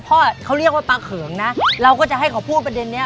เพราะเขาเรียกว่าปลาเขิงนะเราก็จะให้เขาพูดประเด็นนี้